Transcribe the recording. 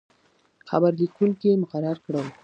خبر لیکونکي مقرر کړل.